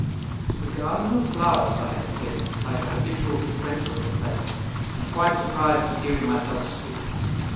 "To the Garden of Flowers," I had said, like a habitual frequenter of the place, and quite surprised at hearing myself speak.